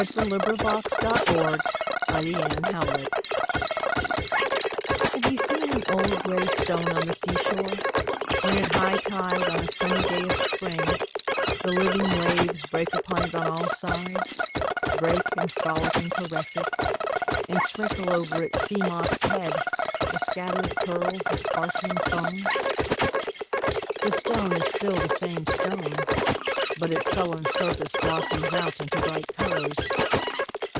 304 POEMS IN PROSE n [1879 1882] THE STONE Have you seen an old grey stone on the sea shore, when at high tide, on a sunny day of spring, the living waves break upon it on all sides — break and frolic and caress it — and sprinkle over its sea mossed head the scattered pearls of sparkling foam ? The stone is still the same stone ; but its sullen surface blossoms out into bright colours.